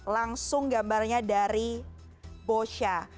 langsung gambarnya dari bosya